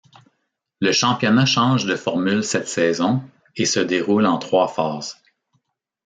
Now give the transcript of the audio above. Le championnat change de formule cette saison et se déroule en trois phases.